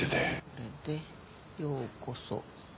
これで「ようこそ」。